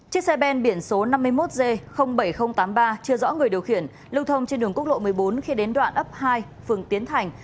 chiếc xe ben biển số năm mươi một g bảy nghìn tám mươi ba chưa rõ người điều khiển lưu thông trên đường quốc lộ một mươi bốn khi đến đoạn ấp hai phường tiến thành